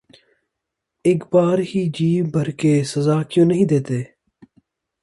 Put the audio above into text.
اک بار ہی جی بھر کے سزا کیوں نہیں دیتے